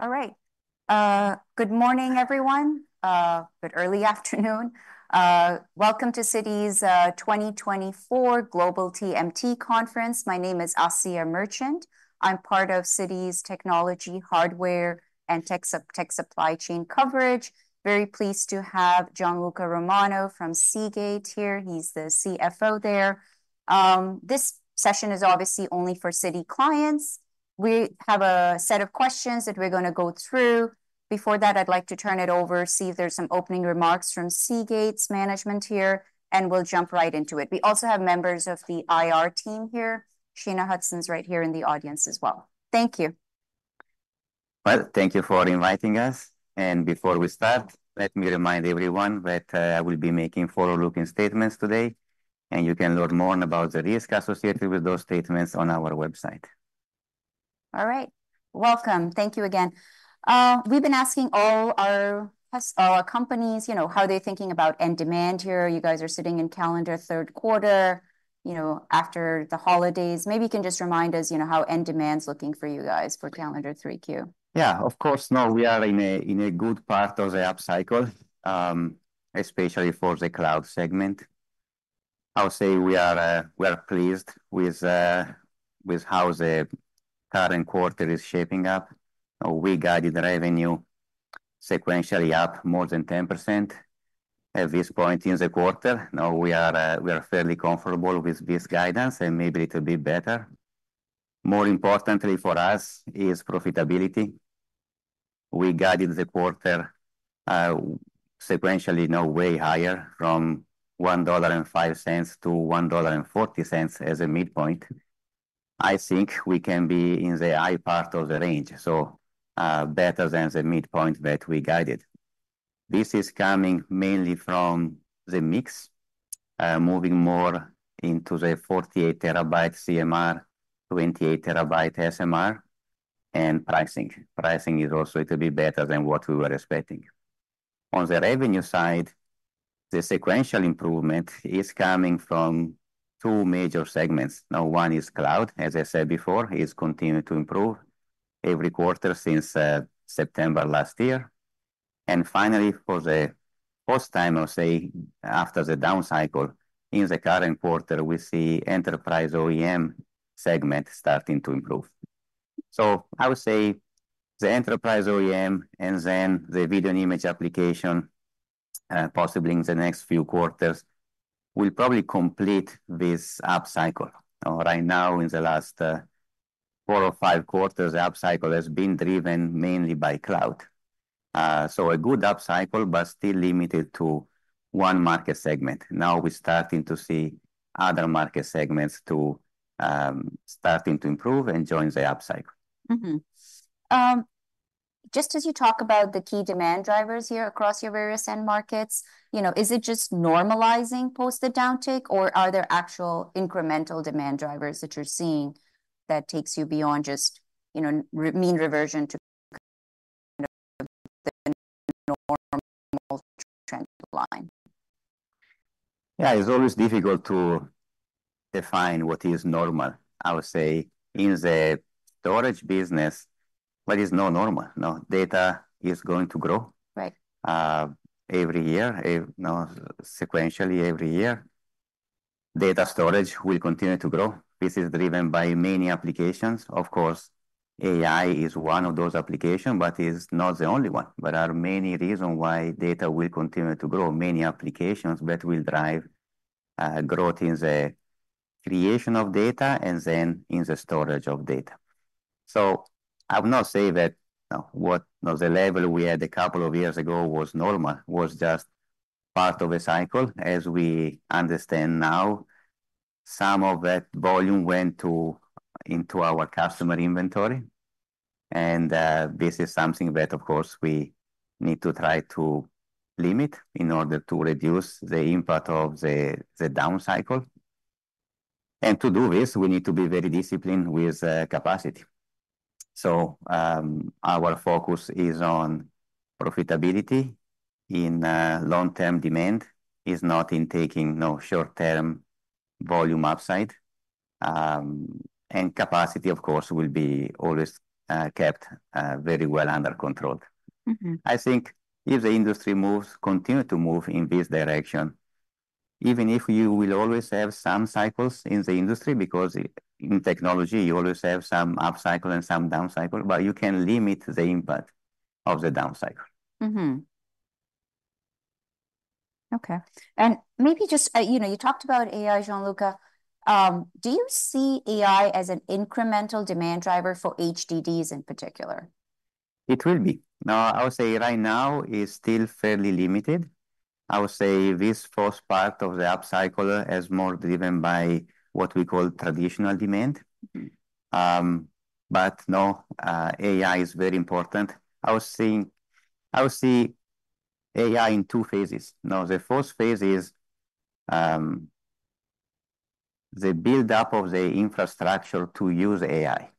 All right. Good morning, everyone, but early afternoon. Welcome to Citi's 2024 Global TMT Conference. My name is Asiya Merchant. I'm part of Citi's technology, hardware, and tech supply chain coverage. Very pleased to have Gianluca Romano from Seagate here. He's the CFO there. This session is obviously only for Citi clients. We have a set of questions that we're gonna go through. Before that, I'd like to turn it over, see if there's some opening remarks from Seagate's management here, and we'll jump right into it. We also have members of the IR team here. Shanye Hudson right here in the audience as well. Thank you. Thank you for inviting us, and before we start, let me remind everyone that we'll be making forward-looking statements today, and you can learn more about the risks associated with those statements on our website. All right. Welcome. Thank you again. We've been asking all our companies, you know, how are they thinking about end demand here. You guys are sitting in calendar third quarter, you know, after the holidays. Maybe you can just remind us, you know, how end demand's looking for you guys for calendar 3Q. Yeah, of course, now we are in a, in a good part of the upcycle, especially for the cloud segment. I would say we are, we are pleased with, with how the current quarter is shaping up. We guided the revenue sequentially up more than 10% at this point in the quarter. Now, we are, we are fairly comfortable with this guidance, and maybe it will be better. More importantly for us is profitability. We guided the quarter, sequentially now way higher, from $1.05 to $1.40 as a midpoint. I think we can be in the high part of the range, so, better than the midpoint that we guided. This is coming mainly from the mix, moving more into the 24-TB CMR, 28-TB SMR, and pricing. Pricing is also a little bit better than what we were expecting. On the revenue side, the sequential improvement is coming from two major segments. Now, one is cloud, as I said before, is continuing to improve every quarter since September last year, and finally, for the first time, I'll say, after the downcycle in the current quarter, we see enterprise OEM segment starting to improve, so I would say the enterprise OEM and then the Video and Image Applications, possibly in the next few quarters, will probably complete this upcycle. Right now, in the last four or five quarters, the upcycle has been driven mainly by cloud, so a good upcycle, but still limited to one market segment. Now, we're starting to see other market segments too starting to improve and join the upcycle. Just as you talk about the key demand drivers here across your various end markets, you know, is it just normalizing post the downtick, or are there actual incremental demand drivers that you're seeing that takes you beyond just, you know, mean reversion to normal trend line? Yeah, it's always difficult to define what is normal. I would say in the storage business, there is no normal. No data is going to grow- Right... every year, sequentially every year. Data storage will continue to grow. This is driven by many applications. Of course, AI is one of those application, but is not the only one. There are many reason why data will continue to grow, many applications that will drive, growth in the creation of data and then in the storage of data. So I would not say that, what the level we had a couple of years ago was normal, was just part of a cycle. As we understand now, some of that volume went to, into our customer inventory, and, this is something that, of course, we need to try to limit in order to reduce the impact of the downcycle. And to do this, we need to be very disciplined with, capacity. Our focus is on profitability in long-term demand, is not in taking no short-term volume upside. And capacity, of course, will be always kept very well under control. Mm-hmm. I think if the industry moves to continue to move in this direction, even if you will always have some cycles in the industry, because in technology, you always have some upcycle and some downcycle, but you can limit the impact of the downcycle. Mm-hmm. Okay, and maybe just, you know, you talked about AI, Gianluca. Do you see AI as an incremental demand driver for HDDs in particular? It will be. Now, I would say right now, it's still fairly limited. I would say this first part of the upcycle is more driven by what we call traditional demand. But no, AI is very important. I would say, I would see AI in two phases. Now, the first phase is the build-up of the infrastructure to use AI.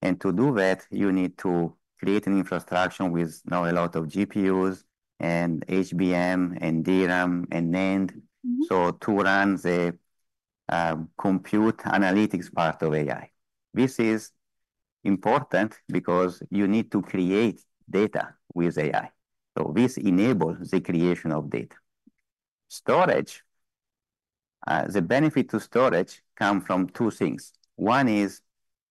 And to do that, you need to create an infrastructure with, now, a lot of GPUs and HBM and DRAM and NAND. Mm-hmm. So to run the compute analytics part of AI. This is important because you need to create data with AI, so this enables the creation of data. Storage, the benefit to storage come from two things. One is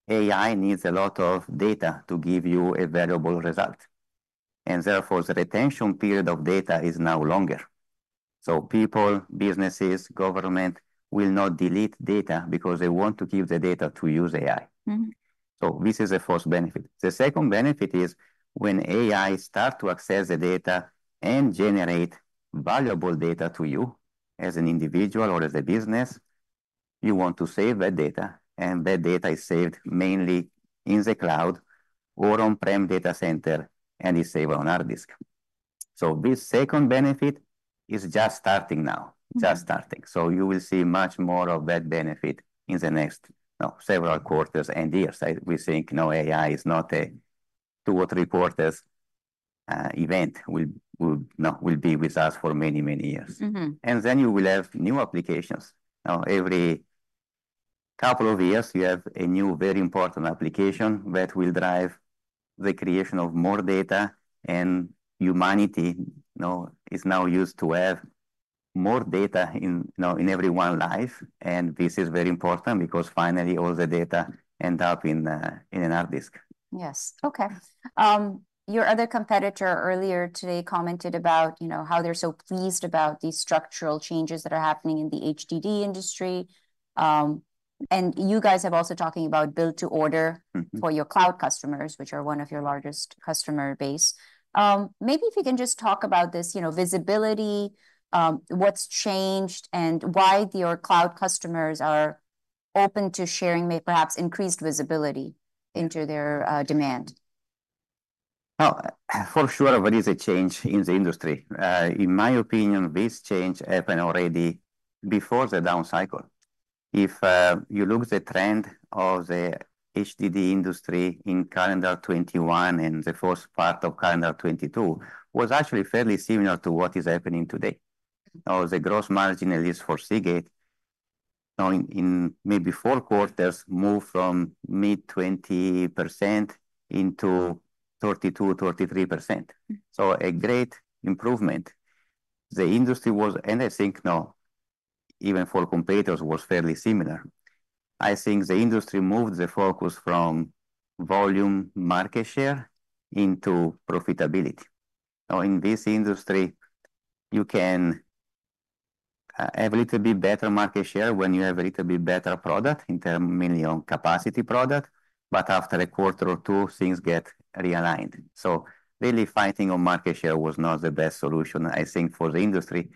AI needs a lot of data to give you a valuable result, and therefore, the retention period of data is now longer. So people, businesses, government, will not delete data because they want to keep the data to use AI. Mm-hmm. So this is the first benefit. The second benefit is when AI start to access the data and generate valuable data to you, as an individual or as a business, you want to save that data, and that data is saved mainly in the cloud or on-prem data center, and is saved on hard disk. So this second benefit is just starting now. Mm-hmm. So you will see much more of that benefit in the next, you know, several quarters and years. We think, you know, AI is not a two or three quarters event. Will be with us for many, many years. Mm-hmm. You will have new applications. Now, every couple of years, you have a new, very important application that will drive the creation of more data, and humanity, you know, is now used to have more data in, you know, in everyone's life. This is very important because finally, all the data end up in a hard disk. Yes. Okay. Your other competitor earlier today commented about, you know, how they're so pleased about these structural changes that are happening in the HDD industry, and you guys have also talking about build to order- Mm-hmm... for your cloud customers, which are one of your largest customer base. Maybe if you can just talk about this, you know, visibility, what's changed, and why your cloud customers are open to sharing, may perhaps increased visibility into their demand? Oh, for sure, there is a change in the industry. In my opinion, this change happened already before the down cycle. If you look the trend of the HDD industry in calendar 2021, and the first part of calendar 2022, was actually fairly similar to what is happening today. Or the gross margin, at least for Seagate, now in maybe four quarters, moved from mid-20% into 32%-33%. So a great improvement. The industry was. And I think now, even for competitors, was fairly similar. I think the industry moved the focus from volume market share into profitability. Now, in this industry, you can have little bit better market share when you have a little bit better product, in term mainly on capacity product, but after a quarter or two, things get realigned. So really, fighting on market share was not the best solution, I think, for the industry,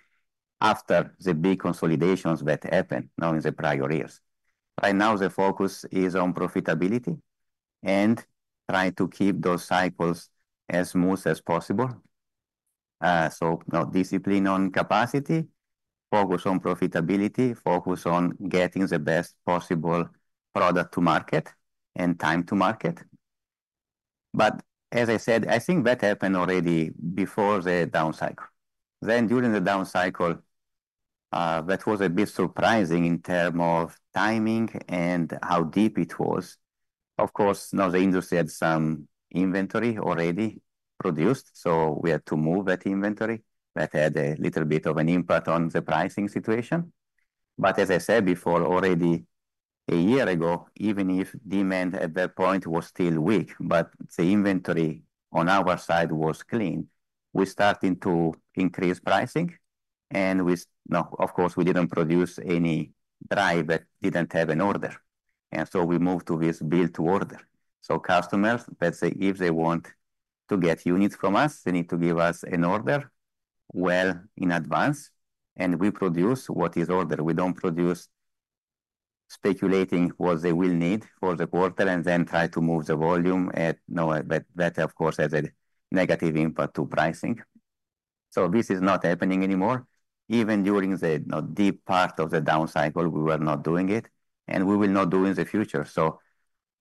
after the big consolidations that happened now in the prior years. Right now, the focus is on profitability and trying to keep those cycles as smooth as possible. So now discipline on capacity, focus on profitability, focus on getting the best possible product to market and time to market. But as I said, I think that happened already before the down cycle. Then during the down cycle, that was a bit surprising in terms of timing and how deep it was. Of course, now the industry had some inventory already produced, so we had to move that inventory. That had a little bit of an impact on the pricing situation. But as I said before, already a year ago, even if demand at that point was still weak, but the inventory on our side was clean. We're starting to increase pricing. No, of course, we didn't produce any drive that didn't have an order, and so we moved to this build to order, so customers, let's say, if they want to get units from us, they need to give us an order well in advance, and we produce what is ordered. We don't produce speculating what they will need for the quarter, and then try to move the volume at no, but that, of course, has a negative impact to pricing, so this is not happening anymore. Even during the, you know, deep part of the down cycle, we were not doing it, and we will not do in the future, so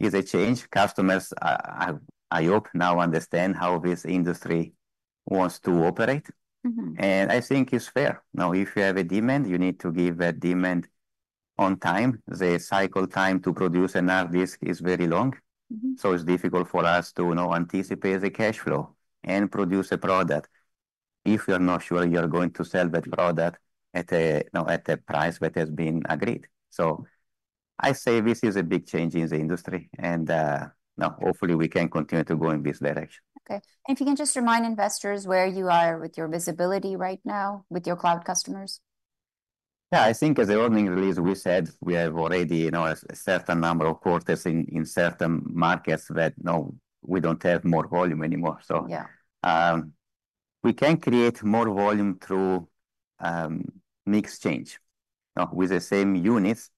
it's a change. Customers, I hope now understand how this industry wants to operate. Mm-hmm. I think it's fair. Now, if you have a demand, you need to give that demand on time. The cycle time to produce a hard disk is very long. Mm-hmm. So it's difficult for us to, you know, anticipate the cash flow and produce a product if you're not sure you're going to sell that product at a, you know, at a price that has been agreed. So I say this is a big change in the industry, and now hopefully, we can continue to go in this direction. Okay. And if you can just remind investors where you are with your visibility right now, with your cloud customers? Yeah, I think as the earnings release, we said, we have already, you know, a certain number of quarters in, in certain markets that, no, we don't have more volume anymore. So- Yeah... we can create more volume through mix change. Now, with the same units,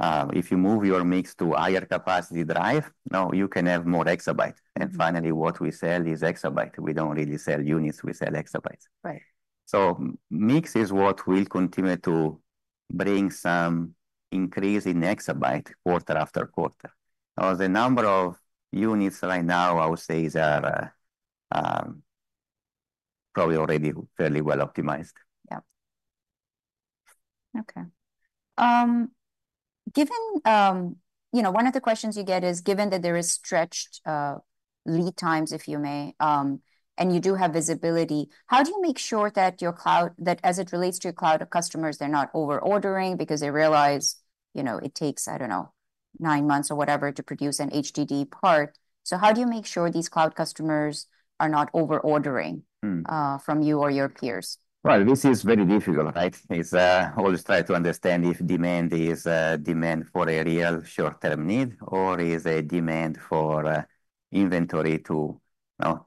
if you move your mix to higher capacity drive, now you can have more exabyte. Mm-hmm. Finally, what we sell is exabyte. We don't really sell units, we sell exabytes. Right. So mix is what will continue to bring some increase in exabyte quarter after quarter. Now, the number of units right now, I would say, is at a, probably already fairly well optimized. Yeah. Okay. Given, you know, one of the questions you get is, given that there is stretched lead times, if you may, and you do have visibility, how do you make sure that your cloud, that as it relates to your cloud customers, they're not over-ordering because they realize, you know, it takes, I don't know, nine months or whatever, to produce an HDD part? So how do you make sure these cloud customers are not over-ordering- Mm. from you or your peers? Well, this is very difficult, right? It's always try to understand if demand is demand for a real short-term need, or is a demand for inventory to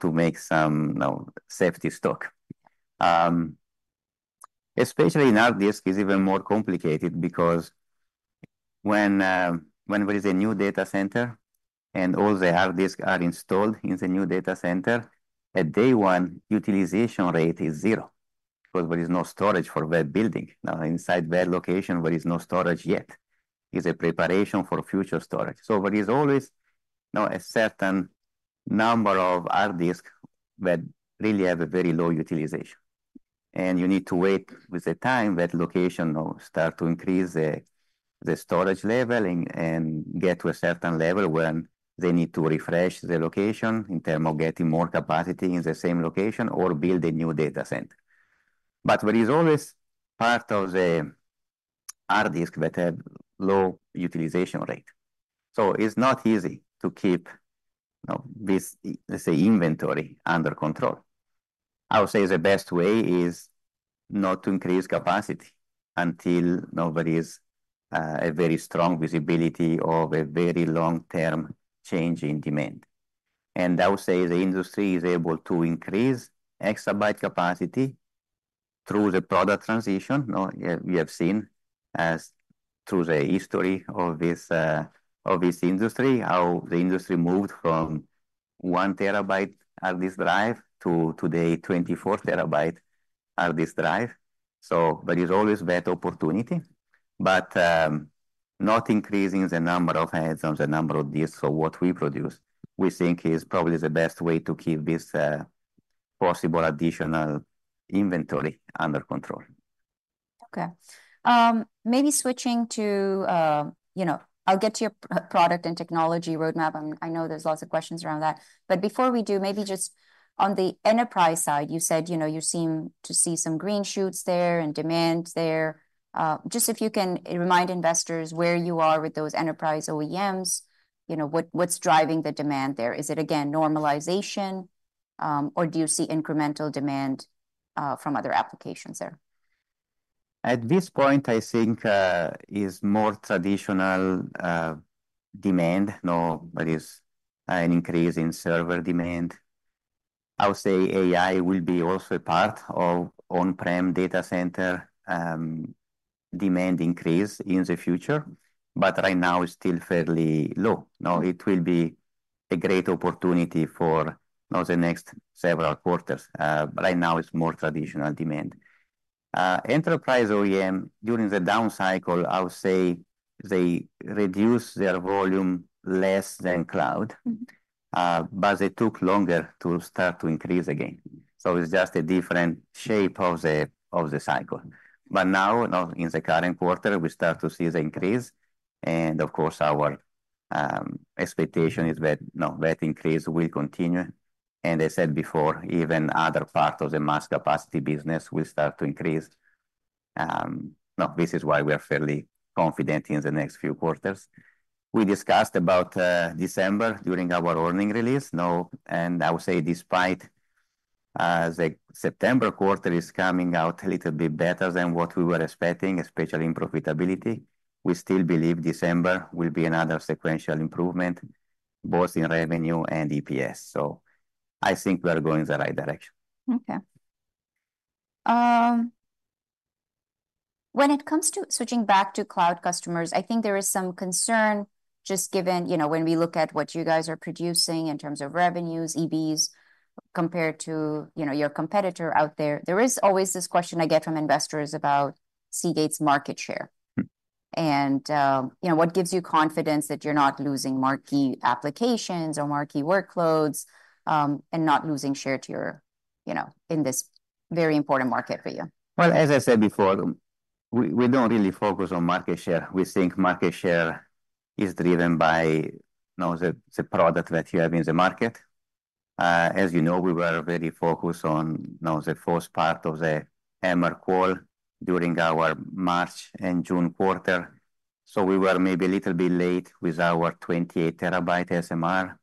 make some, you know, safety stock. Especially in hard disk is even more complicated because when there is a new data center, and all the hard disk are installed in the new data center, at day one, utilization rate is zero, because there is no storage for that building. Now, inside that location, there is no storage yet. It's a preparation for future storage. So there is always, you know, a certain number of hard disk that really have a very low utilization, and you need to wait with the time that location will start to increase the, the storage level and, and get to a certain level when they need to refresh the location in term of getting more capacity in the same location or build a new data center. But there is always part of the hard disk that have low utilization rate, so it's not easy to keep, you know, this, let's say, inventory under control. I would say the best way is not to increase capacity until nobody is a very strong visibility or a very long-term change in demand. And I would say the industry is able to increase exabyte capacity through the product transition. Now, we have seen how through the history of this industry, how the industry moved from 1-TB hard disk drive to today, 24-TB hard disk drive. So there is always that opportunity, but, not increasing the number of heads or the number of disks or what we produce, we think is probably the best way to keep this, possible additional inventory under control. Okay. Maybe switching to, you know, I'll get to your product and technology roadmap, and I know there's lots of questions around that. But before we do, maybe just on the enterprise side, you said, you know, you seem to see some green shoots there and demand there. Just if you can remind investors where you are with those enterprise OEMs, you know, what, what's driving the demand there? Is it again, normalization, or do you see incremental demand, from other applications there? At this point, I think is more traditional demand. No, there is an increase in server demand. I would say AI will be also a part of on-prem data center demand increase in the future, but right now it's still fairly low. Now, it will be a great opportunity for, you know, the next several quarters. But right now it's more traditional demand. Enterprise OEM, during the down cycle, I would say they reduce their volume less than cloud- Mm-hmm. But they took longer to start to increase again. So it's just a different shape of the cycle. But now in the current quarter, we start to see the increase, and of course, our expectation is that that increase will continue. And I said before, even other part of the mass capacity business will start to increase. Now, this is why we are fairly confident in the next few quarters. We discussed about December during our earnings release, and I would say despite the September quarter is coming out a little bit better than what we were expecting, especially in profitability, we still believe December will be another sequential improvement, both in revenue and EPS. So I think we are going in the right direction. Okay. When it comes to switching back to cloud customers, I think there is some concern, just given, you know, when we look at what you guys are producing in terms of revenues, EBs, compared to, you know, your competitor out there. There is always this question I get from investors about Seagate's market share. Mm. You know, what gives you confidence that you're not losing marquee applications or marquee workloads, and not losing share to your, you know, in this very important market for you? As I said before, we don't really focus on market share. We think market share is driven by, you know, the product that you have in the market. As you know, we were very focused on, you know, the first part of the HAMR call during our March and June quarter, so we were maybe a little bit late with our 28-TB SMR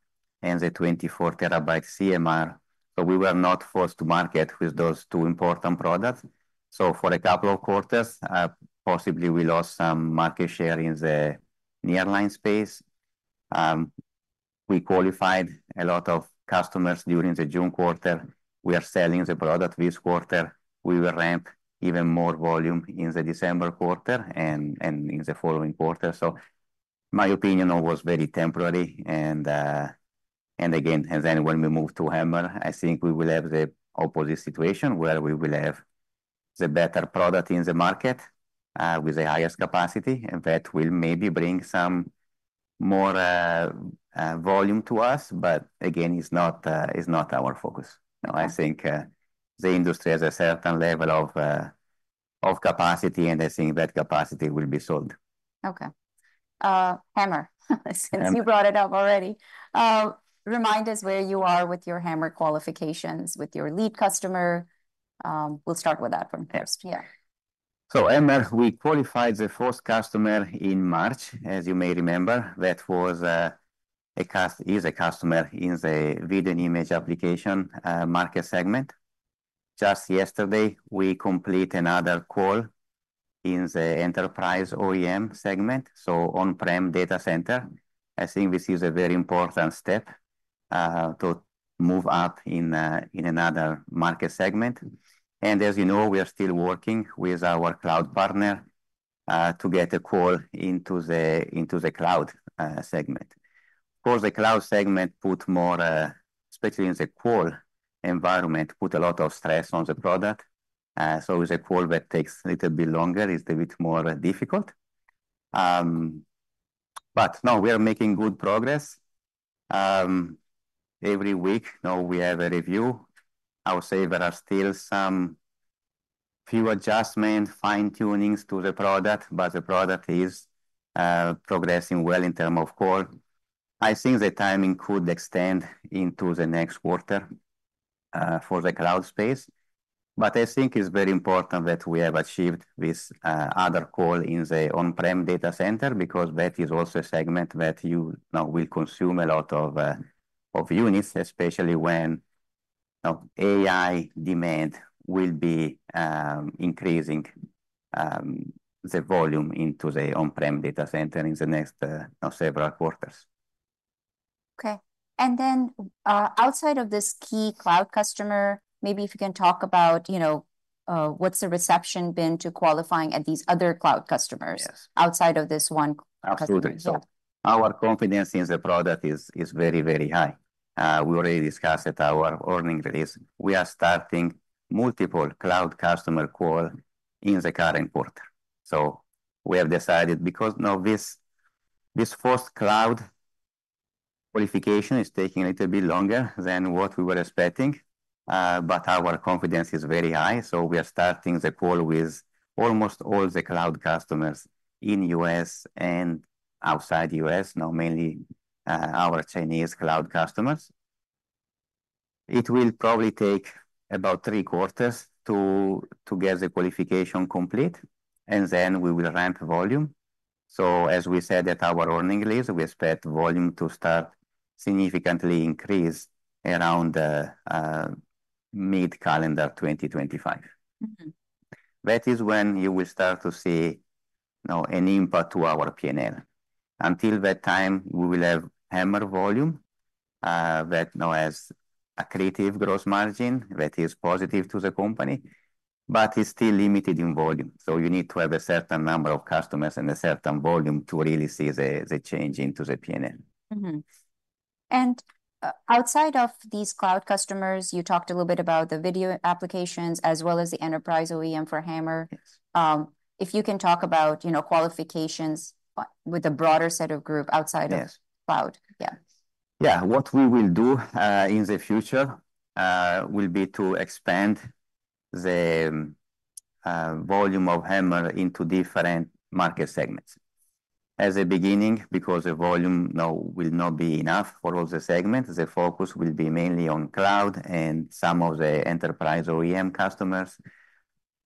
and the 24-TB CMR, so we were not first to market with those two important products, so for a couple of quarters, possibly we lost some market share in the nearline space. We qualified a lot of customers during the June quarter. We are selling the product this quarter. We will ramp even more volume in the December quarter and in the following quarter. So my opinion was very temporary, and again, and then when we move to HAMR, I think we will have the opposite situation, where we will have the better product in the market with the highest capacity, and that will maybe bring some more volume to us. But again, it's not our focus. No, I think the industry has a certain level of capacity, and I think that capacity will be sold. Okay. HAMR, since you brought it up already, remind us where you are with your HAMR qualifications with your lead customer. We'll start with that from first. Yeah. So HAMR, we qualified the first customer in March, as you may remember. That was a customer in the Video and Image Applications market segment. Just yesterday, we complete another call in the enterprise OEM segment, so on-prem data center. I think this is a very important step to move up in another market segment. And as you know, we are still working with our cloud partner to get a call into the cloud segment. Of course, the cloud segment put more, especially in the call environment, put a lot of stress on the product. So the call that takes a little bit longer is a bit more difficult. But no, we are making good progress. Every week, now we have a review. I would say there are still some few adjustments, fine-tunings to the product, but the product is progressing well in terms of qual. I think the timing could extend into the next quarter for the cloud space. But I think it's very important that we have achieved this other qual in the on-prem data center, because that is also a segment that you now will consume a lot of units, especially when AI demand will be increasing the volume into the on-prem data center in the next several quarters. Okay. And then, outside of this key cloud customer, maybe if you can talk about, you know, what's the reception been to qualifying at these other cloud customers? Yes... outside of this one customer? Absolutely. Yeah. Our confidence in the product is very, very high. We already discussed at our earnings release, we are starting multiple cloud customer calls in the current quarter. So we have decided, because now this first cloud qualification is taking a little bit longer than what we were expecting, but our confidence is very high. So we are starting the calls with almost all the cloud customers in U.S. and outside U.S., now mainly, our Chinese cloud customers. It will probably take about three quarters to get the qualification complete, and then we will ramp volume. So as we said at our earnings release, we expect volume to start significantly increase around mid-calendar 2025. Mm-hmm. That is when you will start to see, now, an impact to our P&L. Until that time, we will have HAMR volume that now has accretive gross margin that is positive to the company, but is still limited in volume. So you need to have a certain number of customers and a certain volume to really see the change into the P&L. Mm-hmm. And, outside of these cloud customers, you talked a little bit about the video applications as well as the enterprise OEM for HAMR. Yes. If you can talk about, you know, qualifications, with a broader set of group outside of- Yes... cloud. Yeah. Yeah. What we will do in the future will be to expand the volume of HAMR into different market segments. As a beginning, because the volume now will not be enough for all the segments, the focus will be mainly on cloud and some of the enterprise OEM customers.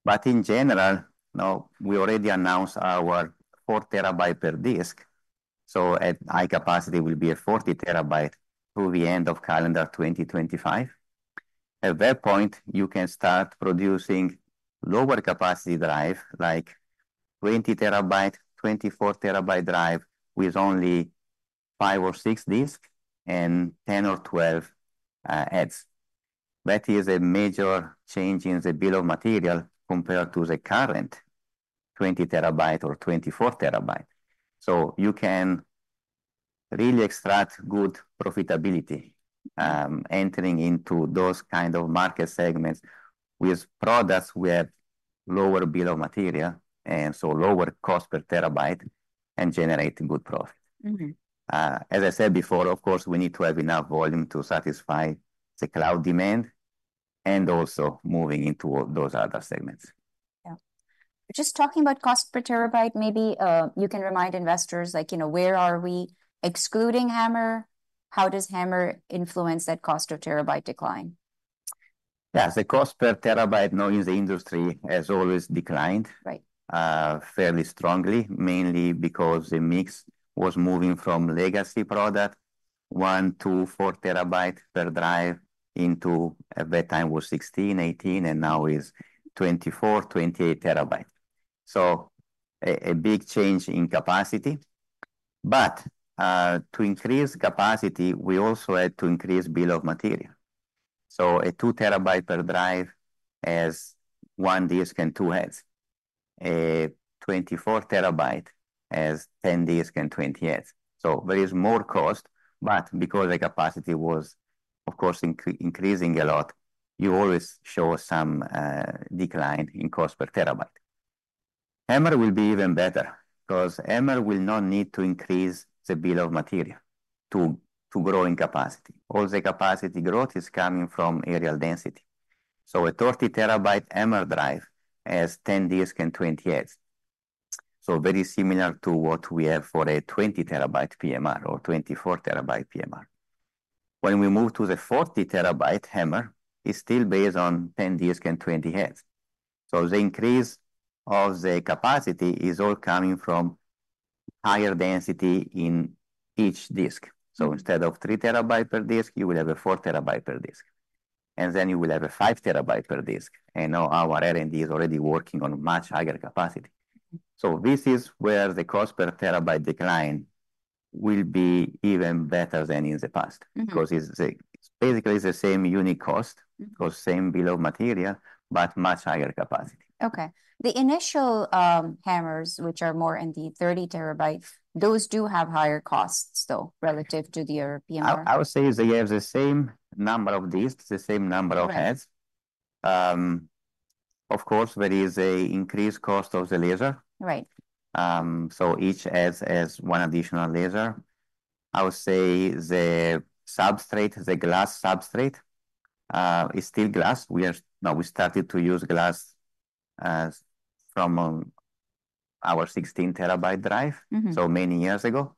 But in general, now, we already announced our 4-TB per disk, so at high capacity will be a 40-TB through the end of calendar 2025. At that point, you can start producing lower capacity drive, like 20-TB, 24-TB drive, with only five or six disks and 10 or 12 heads. That is a major change in the bill of material compared to the current 20-TB or 24-TB. You can really extract good profitability, entering into those kind of market segments with products with lower bill of material, and so lower cost per terabyte, and generating good profit. Mm-hmm. As I said before, of course, we need to have enough volume to satisfy the cloud demand, and also moving into those other segments. Yeah. Just talking about cost per terabyte, maybe, you can remind investors, like, you know, where are we excluding HAMR? How does HAMR influence that cost of terabyte decline? Yeah. The cost per terabyte now in the industry has always declined. Right... fairly strongly, mainly because the mix was moving from Legacy product, 1- to 4-TB per drive, into at that time was 16, 18, and now is 24, 28-TB. So a big change in capacity. But to increase capacity, we also had to increase bill of material. So a 2-TB per drive has one disk and two heads. A 24-TB has 10 disks and 20 heads. So there is more cost, but because the capacity was, of course, increasing a lot, you always show some decline in cost per terabyte. HAMR will be even better, 'cause HAMR will not need to increase the bill of material to grow in capacity. All the capacity growth is coming from areal density. So a 30-TB HAMR drive has 10 disks and 20 heads. So very similar to what we have for a 20-TB PMR or 24-TB PMR. When we move to the 40-TB HAMR, it's still based on 10 disks and 20 heads. So the increase of the capacity is all coming from higher density in each disk. So instead of 3-TB per disk, you will have a 4-TB per disk, and then you will have a 5-TB per disk. And now our R&D is already working on much higher capacity. So this is where the cost per terabyte decline will be even better than in the past. Mm-hmm. -because it's, it's basically the same unit cost- Mm or same Bill of Material, but much higher capacity. Okay. The initial HAMRs, which are more in the 30-TB, those do have higher costs, though, relative to the PMR? I would say they have the same number of disks, the same number of heads. Right. Of course, there is an increased cost of the laser. Right. Each has one additional laser. I would say the substrate, the glass substrate, is still glass. We started to use glass from our 16-TB drive. Mm-hmm... so many years ago.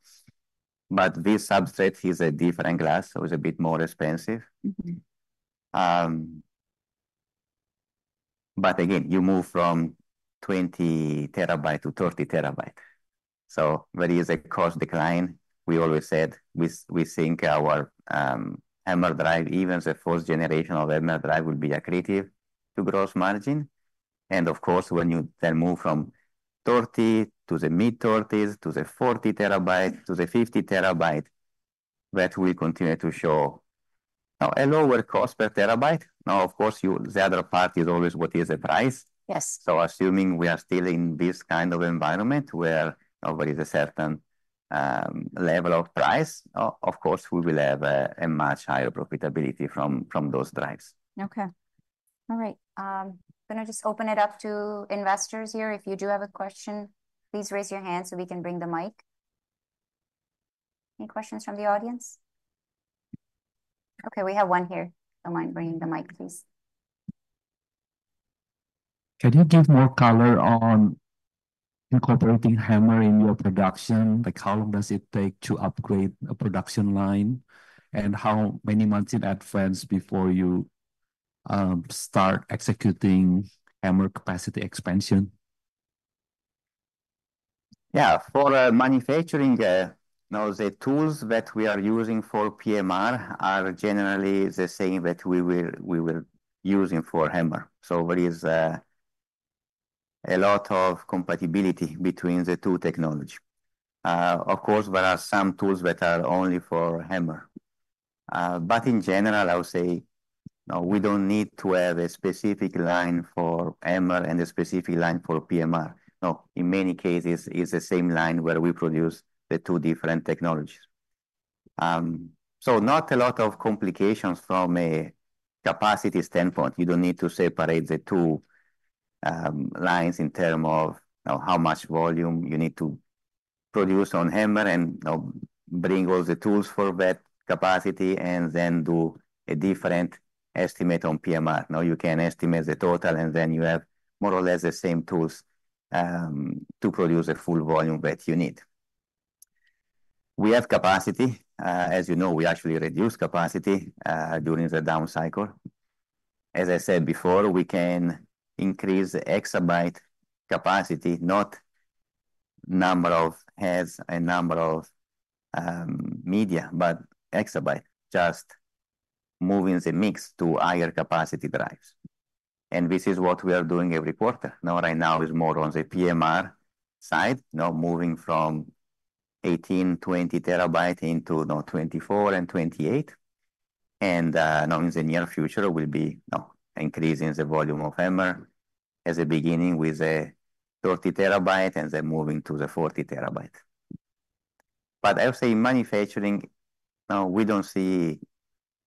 But this substrate is a different glass, so it's a bit more expensive. Mm-hmm. But again, you move from 20-TB to 30-TB, so there is a cost decline. We always said we think our HAMR drive, even the first generation of HAMR drive, will be accretive to gross margin. And of course, when you then move from 30 to the mid-30s to the 40-TB to the 50-TB, that will continue to show, now, a lower cost per terabyte. Now, of course, you, the other part is always what is the price? Yes. So assuming we are still in this kind of environment where now there is a certain level of price, of course, we will have a much higher profitability from those drives. Okay. All right, I'm going to just open it up to investors here. If you do have a question, please raise your hand so we can bring the mic. Any questions from the audience? Okay, we have one here. Do you mind bringing the mic, please? Can you give more color on incorporating HAMR in your production? Like, how long does it take to upgrade a production line, and how many months in advance before you start executing HAMR capacity expansion? Yeah. For manufacturing now, the tools that we are using for PMR are generally the same that we will using for HAMR. So there is a lot of compatibility between the two technology. Of course, there are some tools that are only for HAMR. But in general, I would say, no, we don't need to have a specific line for HAMR and a specific line for PMR. No, in many cases, it's the same line where we produce the two different technologies. So not a lot of complications from a capacity standpoint. You don't need to separate the two lines in term of, you know, how much volume you need to produce on HAMR and, you know, bring all the tools for that capacity, and then do a different estimate on PMR. Now, you can estimate the total, and then you have more or less the same tools to produce a full volume that you need. We have capacity. As you know, we actually reduced capacity during the down cycle. As I said before, we can increase the exabyte capacity, not number of heads and number of media, but exabyte, just moving the mix to higher capacity drives. And this is what we are doing every quarter. Now, right now, it's more on the PMR side, now moving from 18- and 20-TB into now 24- and 28-TB. And now in the near future, we'll be now increasing the volume of HAMR, as a beginning with a 30-TB and then moving to the 40-TB. But I would say manufacturing, now, we don't see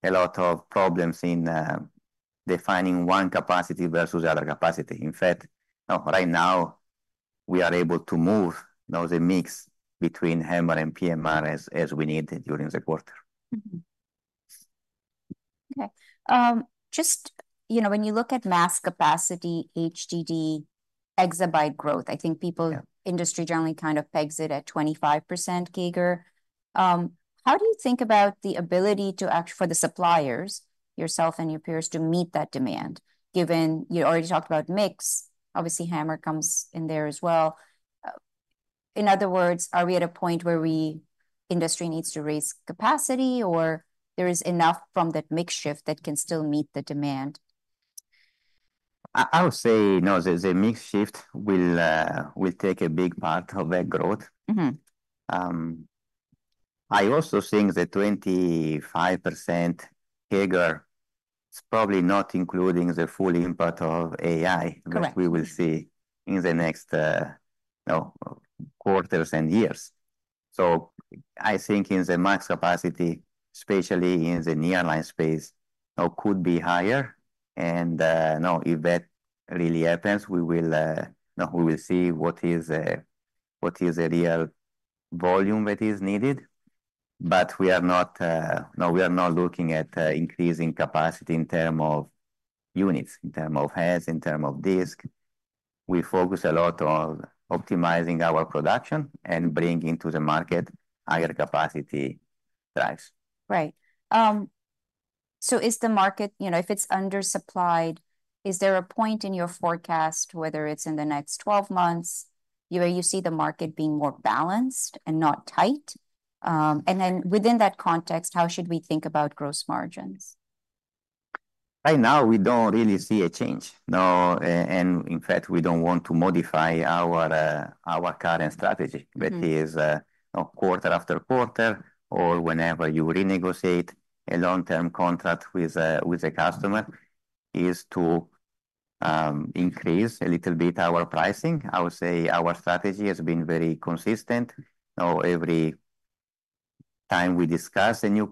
a lot of problems in defining one capacity versus the other capacity. In fact, right now, we are able to move now the mix between HAMR and PMR as we need during the quarter. Mm-hmm. Okay, just, you know, when you look at mass capacity, HDD exabyte growth, I think people- Yeah... industry generally kind of pegs it at 25% CAGR. How do you think about the ability to act for the suppliers, yourself and your peers, to meet that demand, given you already talked about mix, obviously, HAMR comes in there as well. In other words, are we at a point where we, industry needs to raise capacity, or there is enough from that mix shift that can still meet the demand? I would say no, the mix shift will take a big part of that growth. Mm-hmm. ... I also think the 25% CAGR is probably not including the full impact of AI- Correct which we will see in the next, you know, quarters and years. So I think in the mass capacity, especially in the nearline space, could be higher, and, now, if that really happens, we will, now we will see what is, what is the real volume that is needed. But we are not, no, we are not looking at, increasing capacity in term of units, in term of heads, in term of disk. We focus a lot on optimizing our production and bringing to the market higher capacity drives. Right. So is the market, you know, if it's undersupplied, is there a point in your forecast, whether it's in the next twelve months, where you see the market being more balanced and not tight? And then within that context, how should we think about gross margins? Right now, we don't really see a change. No, and in fact, we don't want to modify our current strategy. Mm-hmm. that is, quarter after quarter, or whenever you renegotiate a long-term contract with a customer, is to increase a little bit our pricing. I would say our strategy has been very consistent. Now, every time we discuss a new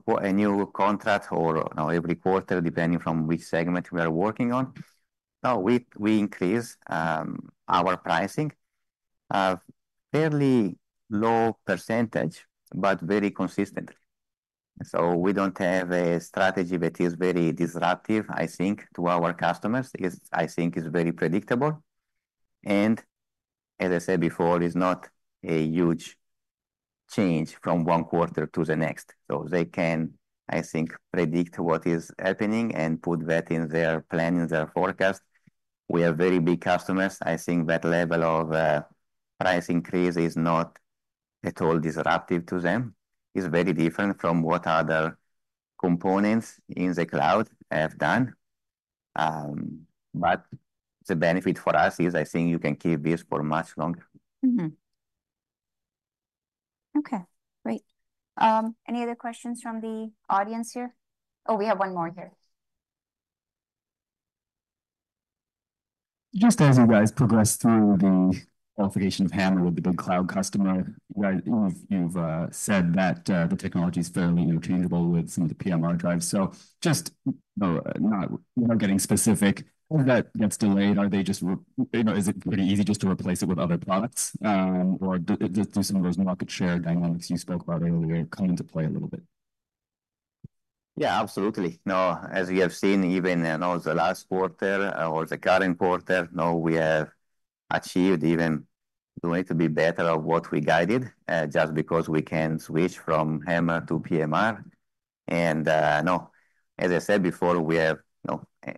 contract or, you know, every quarter, depending from which segment we are working on, now we increase our pricing, a fairly low percentage, but very consistent. So we don't have a strategy that is very disruptive, I think, to our customers. It's, I think, very predictable, and as I said before, it's not a huge change from one quarter to the next. So they can, I think, predict what is happening and put that in their plan, in their forecast. We are very big customers. I think that level of price increase is not at all disruptive to them. It's very different from what other components in the cloud have done. But the benefit for us is, I think you can keep this for much longer. Mm-hmm. Okay, great. Any other questions from the audience here? Oh, we have one more here. Just as you guys progress through the qualification of HAMR with the big cloud customer, right, you've said that the technology is fairly interchangeable with some of the PMR drives. So just not getting specific, if that gets delayed, are they just you know, is it pretty easy just to replace it with other products, or do some of those market share dynamics you spoke about earlier come into play a little bit? Yeah, absolutely. Now, as you have seen, even in the last quarter or the current quarter, now we have achieved even going to be better of what we guided, just because we can switch from HAMR to PMR. And, now, as I said before, we have, you know,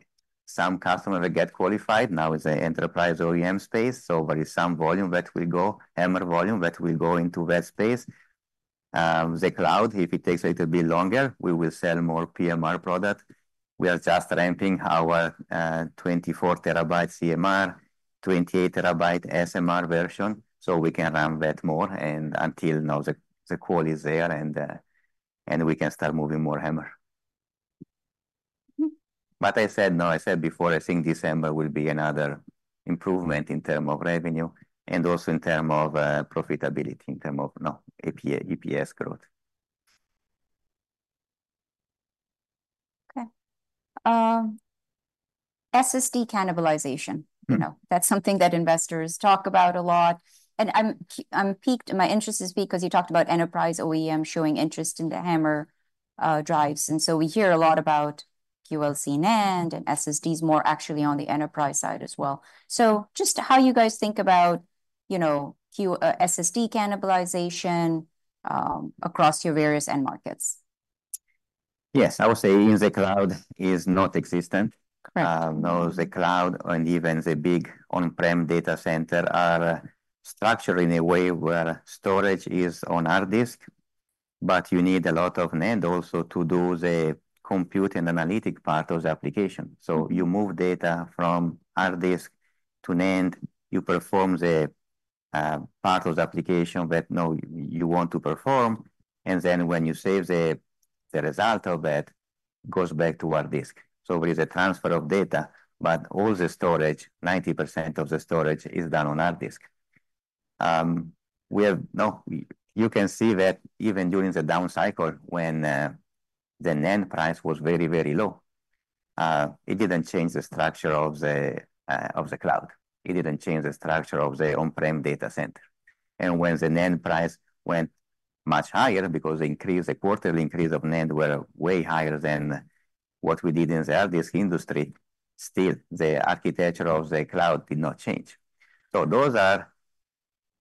some customers will get qualified. Now, it's an enterprise OEM space, so there is some volume that will go, HAMR volume that will go into that space. The cloud, if it takes a little bit longer, we will sell more PMR product. We are just ramping our 24-TB CMR, 28-TB SMR version, so we can ramp that more, and until now, the qual is there, and we can start moving more HAMR. But I said, no, I said before, I think December will be another improvement in terms of revenue and also in terms of profitability, in terms of now, EPS growth. Okay. SSD cannibalization. Mm-hmm. You know, that's something that investors talk about a lot, and I'm piqued. My interest is piqued because you talked about enterprise OEM showing interest in the HAMR drives. And so we hear a lot about QLC NAND and SSDs more actually on the enterprise side as well. So just how you guys think about, you know, Q SSD cannibalization across your various end markets? Yes, I would say in the cloud is not existent. Correct. Now, the cloud and even the big on-prem data center are structured in a way where storage is on hard disk, but you need a lot of NAND also to do the compute and analytic part of the application. So you move data from hard disk to NAND, you perform the part of the application that now you want to perform, and then when you save the result of that, goes back to hard disk. So there is a transfer of data, but all the storage, 90% of the storage, is done on hard disk. Now, you can see that even during the down cycle, when the NAND price was very, very low, it didn't change the structure of the cloud. It didn't change the structure of the on-prem data center. When the NAND price went much higher, because the increase, the quarter increase of NAND were way higher than what we did in the hard disk industry, still, the architecture of the cloud did not change. Those are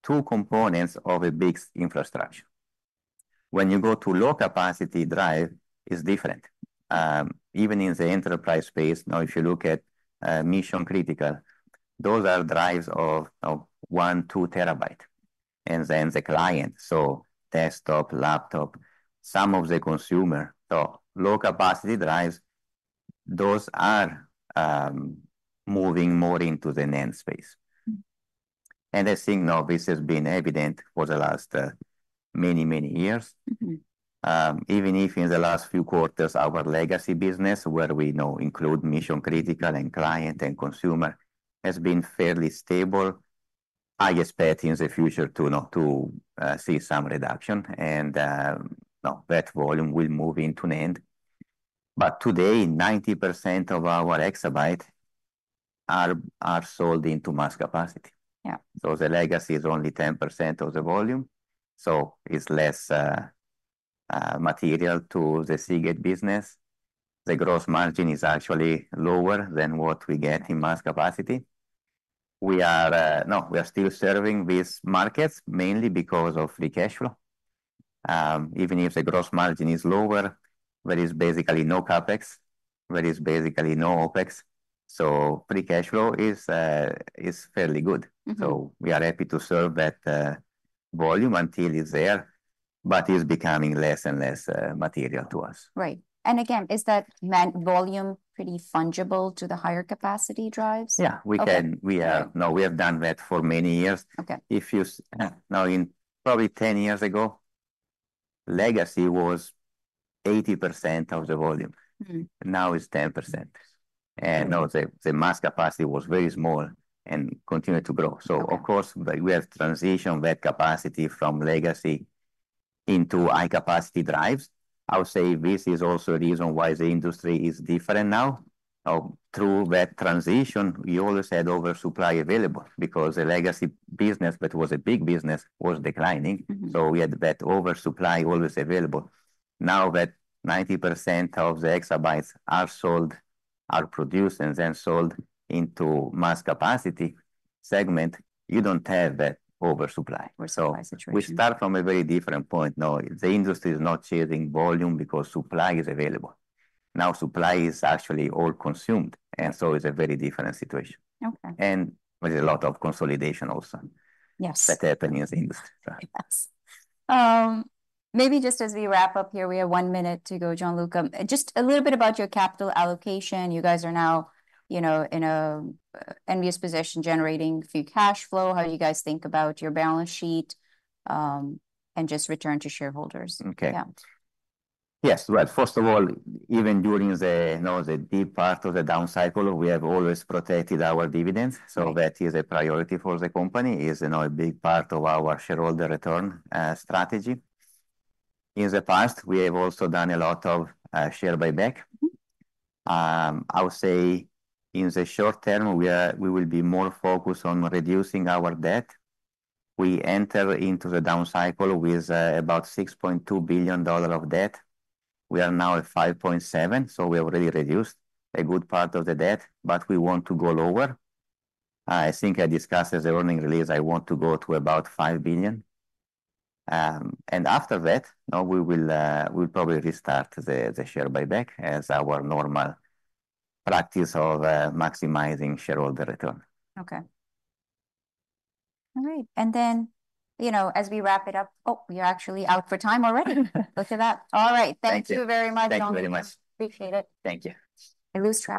two components of a big infrastructure. When you go to low-capacity drive, it's different. Even in the enterprise space, now, if you look at mission-critical, those are drives of one, 2-TB, and then the client, so desktop, laptop, some of the consumer. Low-capacity drives, those are moving more into the NAND space. Mm-hmm.... and I think now this has been evident for the last many, many years. Even if in the last few quarters, our legacy business, where we now include mission-critical and client and consumer, has been fairly stable. I expect in the future to, you know, see some reduction and now that volume will move into NAND. But today, 90% of our exabyte are sold into mass capacity. Yeah. So the legacy is only 10% of the volume, so it's less material to the Seagate business. The gross margin is actually lower than what we get in mass capacity. We are, no, we are still serving these markets mainly because of free cash flow. Even if the gross margin is lower, there is basically no CapEx, there is basically no OpEx, so free cash flow is fairly good. Mm-hmm. So we are happy to serve that volume until it's there, but it's becoming less and less material to us. Right. And again, is that main volume pretty fungible to the higher capacity drives? Yeah. Okay. No, we have done that for many years. Okay. If you now in probably ten years ago, Legacy was 80% of the volume. Mm-hmm. Now, it's 10%. And now, the Mass Capacity was very small and continued to grow. Okay. So of course, we have transitioned that capacity from legacy into high-capacity drives. I would say this is also a reason why the industry is different now. Now, through that transition, we always had oversupply available because the legacy business, that was a big business, was declining. Mm-hmm. We had that oversupply always available. Now that 90% of the exabytes are produced and then sold into Mass Capacity segment, you don't have that oversupply. Oversupply situation. So we start from a very different point now. The industry is not sharing volume because supply is available. Now, supply is actually all consumed, and so it's a very different situation. Okay. And there's a lot of consolidation also- Yes... that happened in the industry. Yes. Maybe just as we wrap up here, we have one minute to go, Gianluca. Just a little bit about your capital allocation. You guys are now, you know, in a envious position, generating free cash flow. How do you guys think about your balance sheet, and just return to shareholders? Okay. Yeah. Yes. Well, first of all, even during the, you know, the deep part of the down cycle, we have always protected our dividends. Mm-hmm. So that is a priority for the company, you know, a big part of our shareholder return strategy. In the past, we have also done a lot of share buyback. Mm-hmm. I would say in the short term, we will be more focused on reducing our debt. We enter into the down cycle with about $6.2 billion of debt. We are now at $5.7 billion, so we already reduced a good part of the debt, but we want to go lower. I think I discussed as the earnings release, I want to go to about $5 billion, and after that, now we will, we'll probably restart the share buyback as our normal practice of maximizing shareholder return. Okay. All right, and then, you know, as we wrap it up... Oh, we are actually out of time already. Look at that. All right. Thank you. Thank you very much, Gianluca. Thank you very much. Appreciate it. Thank you. I lose track-